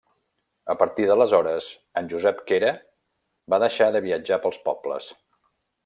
A partir d’aleshores en Josep Quera va deixar de viatjar pels pobles.